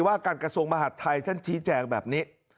ว่าการกระทรวงมหาดไทยท่านชี้แจงแบบนี้